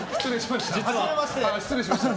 失礼しました。